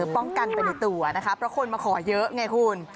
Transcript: ป้องกันไปในตัวนะคะเพราะคนมาขอเยอะไงคุณ